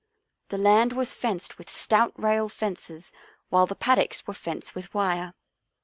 The land was fenced with stout rail fences while the paddocks were fenced with wire.